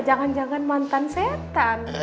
jangan jangan mantan setan